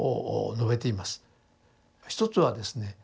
一つはですね